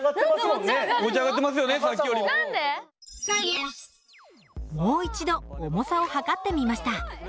もう一度重さを量ってみました。